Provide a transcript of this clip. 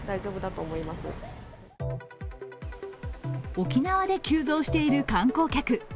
沖縄で急増している観光客。